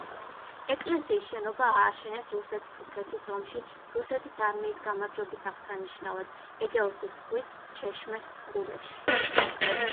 ეკლესიის შენობა ააშენეს რუსეთ-თურქეთის ომში რუსეთის არმიის გამარჯვების აღსანიშნავად ეგეოსის ზღვის ჩეშმეს ყურეში.